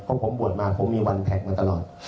เพราะผมบวชมาผมมี๑แพ็คมันตลอด